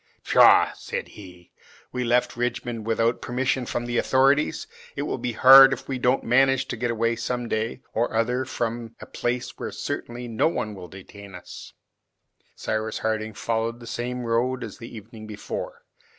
"Pshaw," said he, "we left Richmond without permission from the authorities! It will be hard if we don't manage to get away some day or other from a place where certainly no one will detain us!" Cyrus Harding followed the same road as the evening before.